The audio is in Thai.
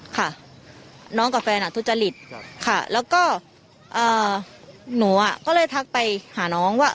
ค่ะน้องกับแฟนอ่ะทุจริตค่ะแล้วก็หนูก็เลยทักไปหาน้องว่า